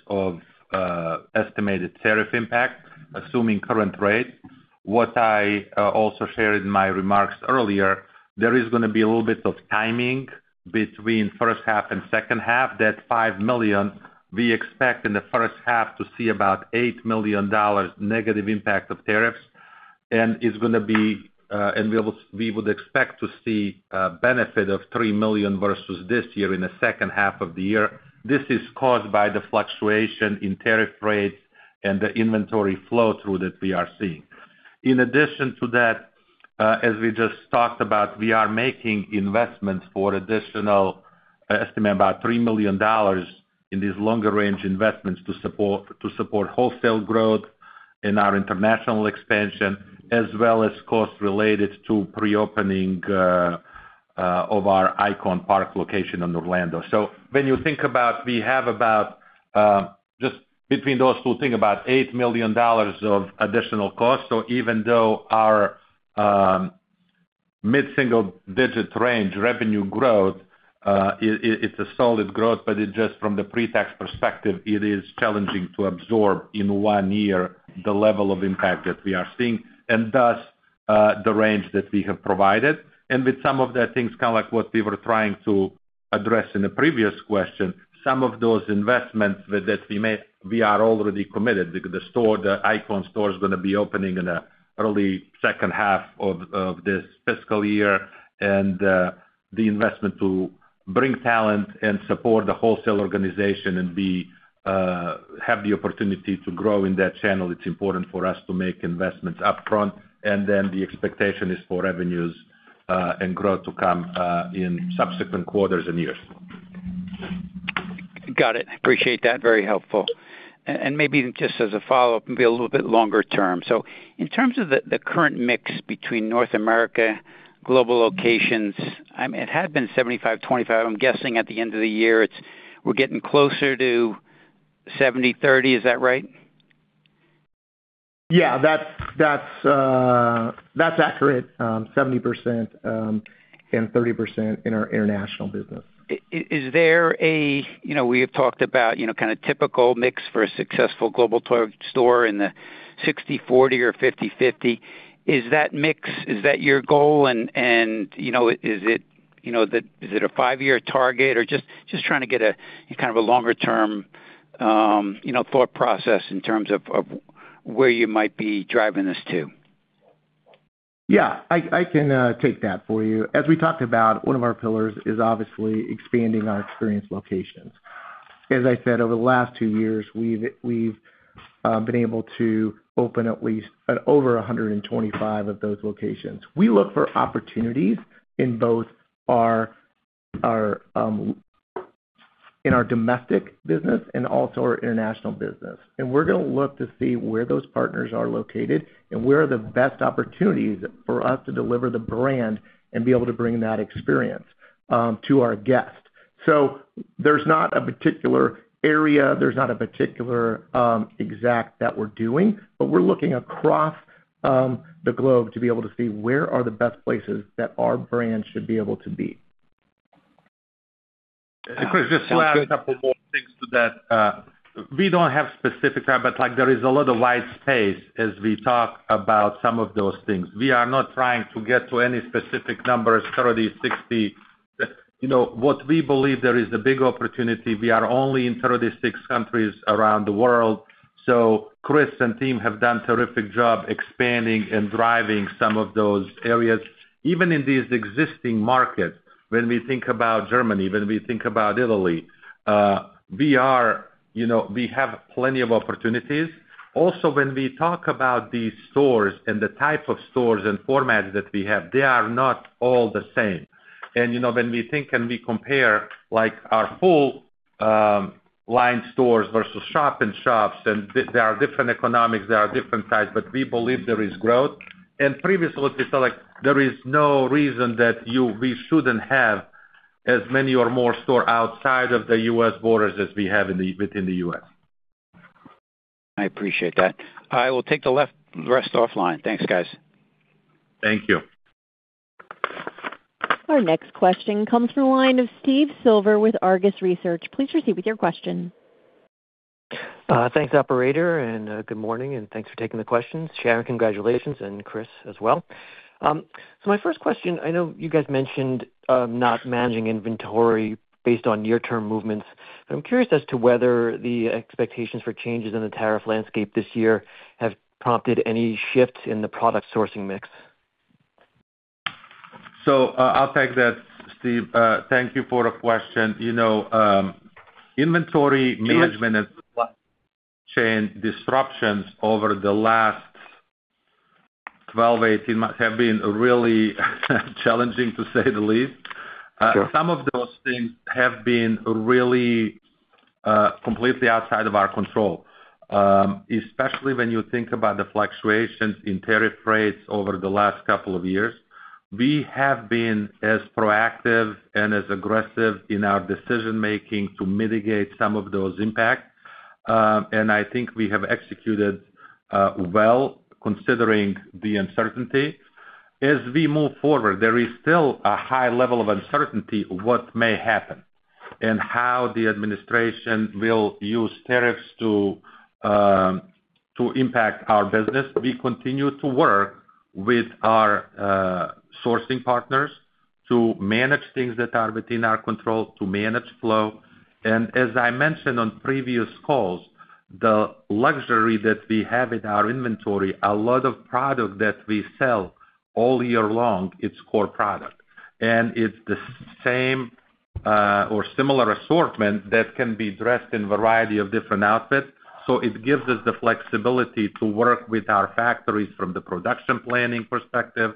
of estimated tariff impact, assuming current rate. What I also shared in my remarks earlier, there is gonna be a little bit of timing between first half and second half. That $5 million, we expect in the first half to see about $8 million negative impact of tariffs, and we would expect to see a benefit of $3 million versus this year in the second half of the year. This is caused by the fluctuation in tariff rates and the inventory flow through that we are seeing. In addition to that, as we just talked about, we are making investments for additional, I estimate about $3 million in these longer-range investments to support wholesale growth in our international expansion, as well as costs related to pre-opening of ICON Park location in Orlando. When you think about, we have about, just between those two things, about $8 million of additional cost. Even though our mid-single-digit range revenue growth, it's a solid growth, but just from the pre-tax perspective, it is challenging to absorb in one year the level of impact that we are seeing, and thus the range that we have provided. With some of the things kinda like what we were trying to address in the previous question, some of those investments we are already committed because the store, the ICON store is gonna be opening in the early second half of this fiscal year. The investment to bring talent and support the wholesale organization and have the opportunity to grow in that channel, it's important for us to make investments upfront. Then the expectation is for revenues and growth to come in subsequent quarters and years. Got it. Appreciate that. Very helpful. Maybe just as a follow-up and be a little bit longer term. In terms of the current mix between North America global locations, I mean, it had been 75/25. I'm guessing at the end of the year it's. We're getting closer to 70/30. Is that right? Yeah. That's accurate. 70% and 30% in our international business. Is there, you know, we have talked about, you know, kinda typical mix for a successful global to-store in the 60/40 or 50/50. Is that mix, is that your goal? You know, is it, you know, is it a five year target? Or just trying to get a, kind of a longer term, you know, thought process in terms of where you might be driving this to. Yeah, I can take that for you. As we talked about, one of our pillars is obviously expanding our experience locations. As I said, over the last two years, we've been able to open at least over 125 of those locations. We look for opportunities in both our domestic business and also our international business. We're gonna look to see where those partners are located and where are the best opportunities for us to deliver the brand and be able to bring that experience to our guests. There's not a particular area. There's not a particular exact that we're doing, but we're looking across the globe to be able to see where are the best places that our brand should be able to be. Chris, just to add a couple more things to that. We don't have specific time, but, like, there is a lot of white space as we talk about some of those things. We are not trying to get to any specific numbers, 30, 60. You know, what we believe there is a big opportunity, we are only in 36 countries around the world. Chris and team have done terrific job expanding and driving some of those areas. Even in these existing markets, when we think about Germany, when we think about Italy, we are, you know, we have plenty of opportunities. Also, when we talk about these stores and the type of stores and formats that we have, they are not all the same. You know, when we think and we compare, like, our full line stores versus shop-in-shops, and there are different economics, there are different types, but we believe there is growth. Previously, like, there is no reason that we shouldn't have as many or more stores outside of the U.S. borders as we have within the U.S. I appreciate that. I will take the rest offline. Thanks, guys. Thank you. Our next question comes from the line of Steve Silver with Argus Research. Please proceed with your question. Thanks, operator, and good morning, and thanks for taking the questions. Sharon, congratulations, and Chris as well. My first question, I know you guys mentioned not managing inventory based on near-term movements, but I'm curious as to whether the expectations for changes in the tariff landscape this year have prompted any shifts in the product sourcing mix. I'll take that, Steve. Thank you for the question. You know, inventory management and supply chain disruptions over the last 12-18 months have been really challenging, to say the least. Sure. Some of those things have been really completely outside of our control, especially when you think about the fluctuations in tariff rates over the last couple of years. We have been as proactive and as aggressive in our decision-making to mitigate some of those impacts. I think we have executed well, considering the uncertainty. As we move forward, there is still a high level of uncertainty what may happen and how the administration will use tariffs to impact our business. We continue to work with our sourcing partners to manage things that are within our control, to manage flow. As I mentioned on previous calls, the luxury that we have in our inventory, a lot of product that we sell all year long, it's core product. It's the same, or similar assortment that can be dressed in a variety of different outfits. It gives us the flexibility to work with our factories from the production planning perspective,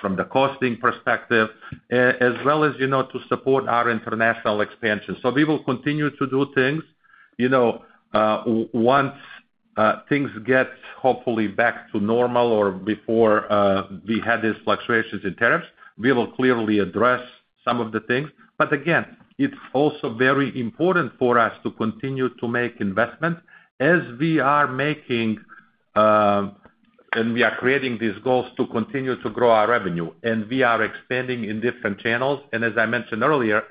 from the costing perspective, as well as, you know, to support our international expansion. We will continue to do things. You know, once things get hopefully back to normal or before we had these fluctuations in tariffs, we will clearly address some of the things. It's also very important for us to continue to make investment as we are making, and we are creating these goals to continue to grow our revenue and we are expanding in different channels. As I mentioned earlier,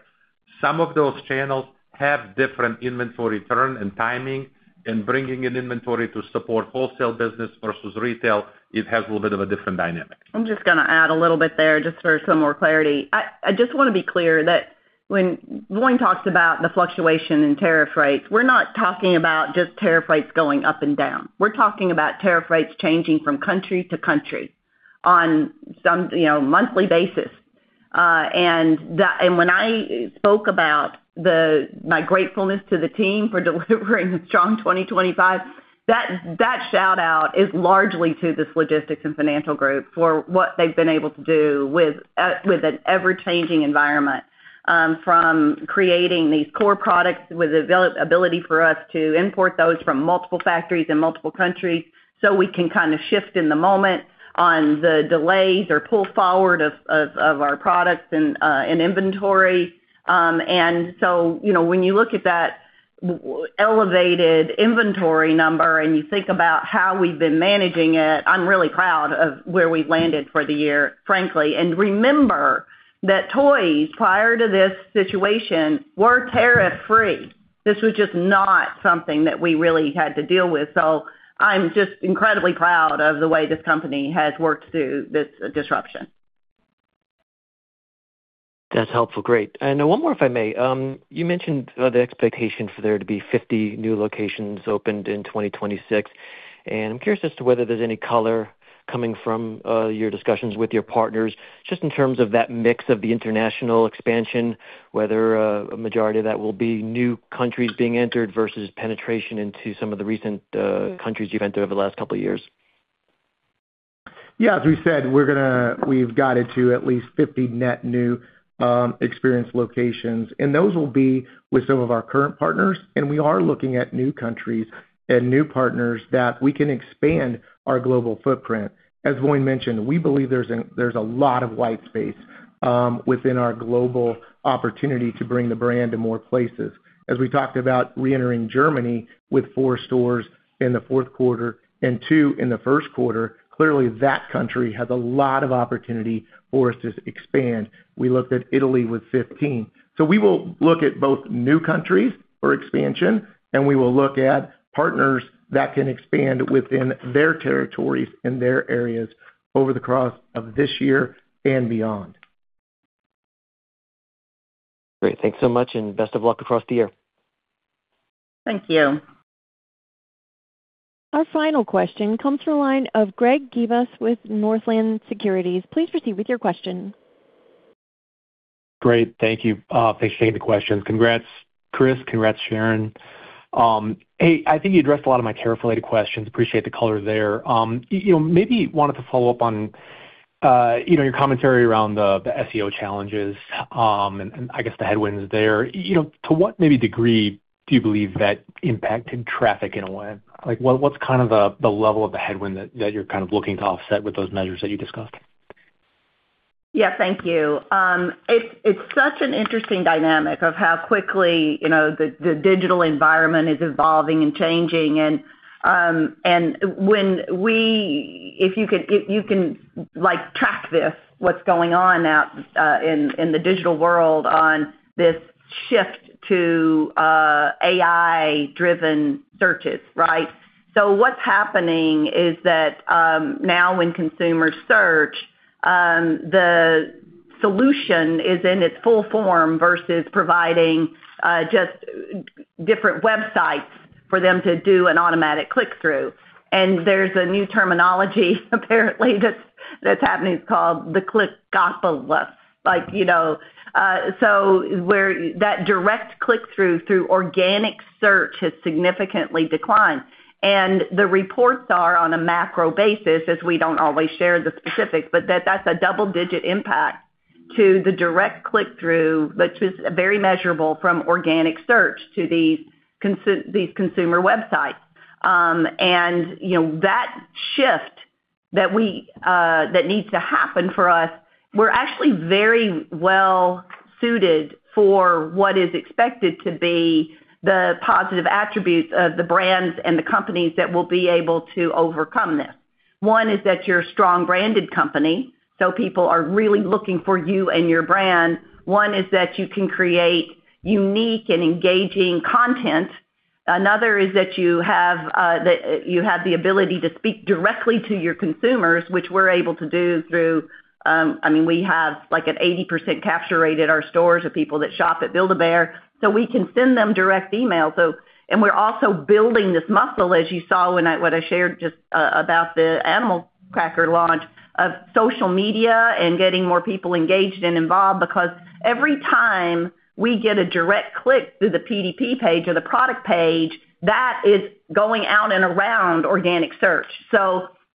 some of those channels have different inventory turn and timing, and bringing in inventory to support wholesale business versus retail, it has a little bit of a different dynamic. I'm just gonna add a little bit there just for some more clarity. I just wanna be clear that when Voin talks about the fluctuation in tariff rates, we're not talking about just tariff rates going up and down. We're talking about tariff rates changing from country to country on some, you know, monthly basis. And when I spoke about my gratefulness to the team for delivering a strong 2025, that shout out is largely to this logistics and financial group for what they've been able to do with with an ever-changing environment, from creating these core products with availability for us to import those from multiple factories in multiple countries, so we can kind of shift in the moment on the delays or pull forward of our products and inventory. You know, when you look at that elevated inventory number and you think about how we've been managing it, I'm really proud of where we've landed for the year, frankly. Remember that toys prior to this situation were tariff-free. This was just not something that we really had to deal with. I'm just incredibly proud of the way this company has worked through this disruption. That's helpful. Great. One more, if I may. You mentioned the expectation for there to be 50 new locations opened in 2026. I'm curious as to whether there's any color coming from your discussions with your partners, just in terms of that mix of the international expansion, whether a majority of that will be new countries being entered versus penetration into some of the recent countries you've entered over the last couple of years. Yeah, as we said, we've guided to at least 50 net new experience locations, and those will be with some of our current partners, and we are looking at new countries and new partners that we can expand our global footprint. As Voin mentioned, we believe there's a lot of white space within our global opportunity to bring the brand to more places. As we talked about reentering Germany with four stores in the Q4 and two in the Q1, clearly that country has a lot of opportunity for us to expand. We looked at Italy with 15. We will look at both new countries for expansion, and we will look at partners that can expand within their territories and their areas over the course of this year and beyond. Great. Thanks so much, and best of luck across the year. Thank you. Our final question comes from the line of Greg Gibas with Northland Securities. Please proceed with your question. Great. Thank you. Thanks for taking the questions. Congrats, Chris. Congrats, Sharon. Hey, I think you addressed a lot of my tariff-related questions. Appreciate the color there. You know, maybe wanted to follow up on, you know, your commentary around the SEO challenges, and I guess the headwinds there. You know, to what maybe degree do you believe that impacted traffic in a way? Like, what's kind of the level of the headwind that you're kind of looking to offset with those measures that you discussed? Yeah. Thank you. It's such an interesting dynamic of how quickly, you know, the digital environment is evolving and changing. If you can track this, what's going on out in the digital world on this shift to AI-driven searches, right? What's happening is that now when consumers search, the solution is in its full form versus providing just different websites for them to do an automatic click-through. There's a new terminology, apparently, that's happening. It's called the Clickocalypse. Like, you know, so where that direct click-through through organic search has significantly declined. The reports are on a macro basis, as we don't always share the specifics, but that's a double-digit impact to the direct click-through, which was very measurable from organic search to these consumer websites. You know, that shift that we that needs to happen for us, we're actually very well suited for what is expected to be the positive attributes of the brands and the companies that will be able to overcome this. One is that you're a strong branded company, so people are really looking for you and your brand. One is that you can create unique and engaging content. Another is that you have the ability to speak directly to your consumers, which we're able to do through, I mean, we have, like, an 80% capture rate at our stores of people that shop at Build-A-Bear, so we can send them direct emails. We're also building this muscle, as you saw when I shared just about the Frosted Animal Cookie launch on social media and getting more people engaged and involved. Because every time we get a direct click through the PDP page or the product page, that is going out and around organic search.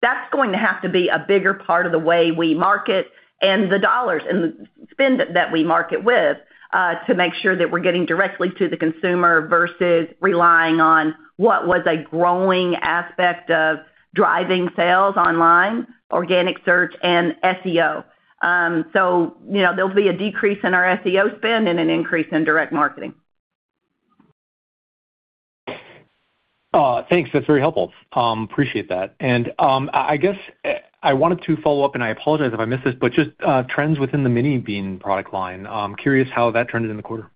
That's going to have to be a bigger part of the way we market and the dollars and the spend that we market with, to make sure that we're getting directly to the consumer versus relying on what was a growing aspect of driving sales online, organic search and SEO. You know, there'll be a decrease in our SEO spend and an increase in direct marketing. Thanks. That's very helpful. Appreciate that. I guess I wanted to follow up, and I apologize if I missed this, but just trends within the Mini Beans product line. I'm curious how that trended in the quarter.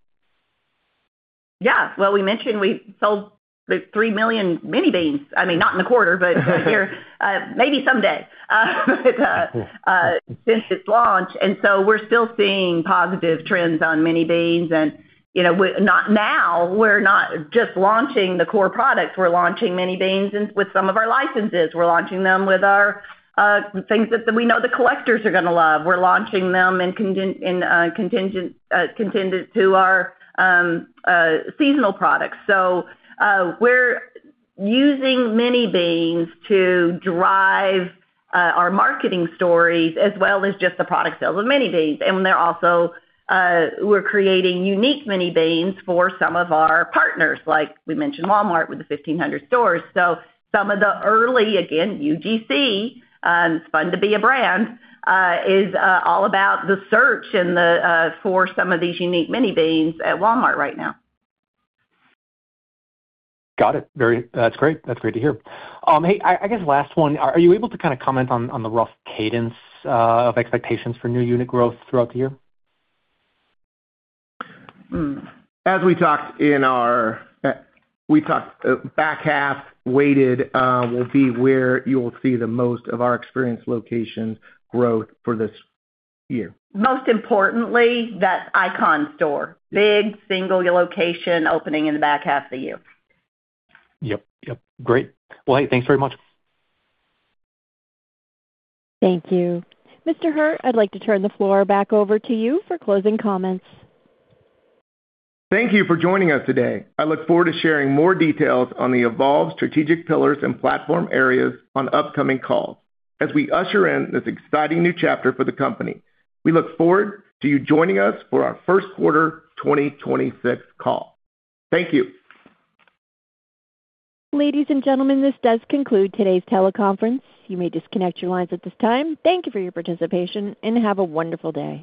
Yeah. Well, we mentioned we sold, like, 3,000,000 Mini Beans. I mean, not in the quarter, but maybe someday. Since its launch, we're still seeing positive trends on Mini Beans. You know, not now, we're not just launching the core products. We're launching Mini Beans and with some of our licenses. We're launching them with our things that we know the collectors are gonna love. We're launching them in conjunction with our seasonal products. We're using Mini Beans to drive our marketing stories as well as just the product sales of Mini Beans. They're also, we're creating unique Mini Beans for some of our partners, like we mentioned Walmart with the 1,500 stores. Some of the early, again, UGC, it's fun to be a brand, is all about the search for some of these unique Mini Beans at Walmart right now. Got it. That's great. That's great to hear. Hey, I guess last one. Are you able to kinda comment on the rough cadence of expectations for new unit growth throughout the year? Mm-hmm. As we talked in our back half weighted will be where you'll see the most of our experience location growth for this year. Most importantly, that ICON store. Big, single location opening in the back half of the year. Yep. Great. Well, hey, thanks very much. Thank you. Mr. Hurt, I'd like to turn the floor back over to you for closing comments. Thank you for joining us today. I look forward to sharing more details on the evolved strategic pillars and platform areas on upcoming calls as we usher in this exciting new chapter for the company. We look forward to you joining us for our Q1 2026 call. Thank you. Ladies and gentlemen, this does conclude today's teleconference. You may disconnect your lines at this time. Thank you for your participation, and have a wonderful day.